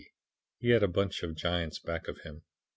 He had a bunch of giants back of him.